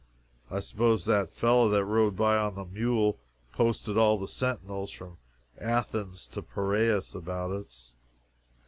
I suppose that fellow that rode by on the mule posted all the sentinels, from Athens to the Piraeus, about us.